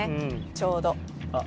ちょうど。